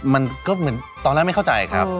มันก็เหมือนตอนนั้นไม่เข้าใจครับ